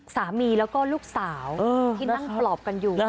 สามีแล้วก็ลูกสาวที่นั่งปลอบกันอยู่